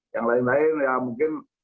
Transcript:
yang lain lain ya mungkin